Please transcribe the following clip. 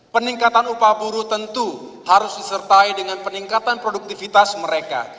peningkatan upah buruh tentu harus disertai dengan peningkatan produktivitas mereka